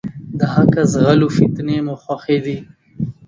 د حقه ځغلو ، فتنې مو خوښي دي.